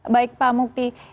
baik pak mukti